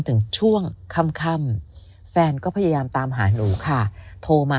ถึงช่วงค่ำแฟนก็พยายามตามหาหนูค่ะโทรมา